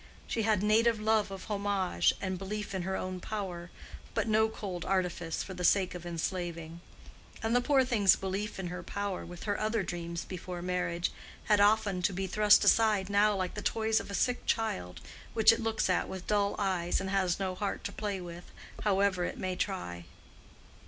She had native love of homage, and belief in her own power; but no cold artifice for the sake of enslaving. And the poor thing's belief in her power, with her other dreams before marriage, had often to be thrust aside now like the toys of a sick child, which it looks at with dull eyes, and has no heart to play with, however it may try.